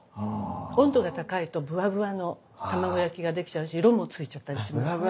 温度が高いとぶわぶわの卵焼きができちゃうし色もついちゃったりしますね。